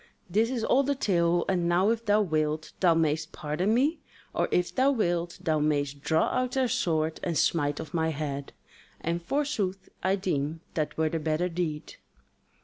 This is all the tale, and now if thou wilt, thou mayst pardon me; or if thou wilt, thou mayst draw out thy sword and smite off my head. And forsooth I deem that were the better deed."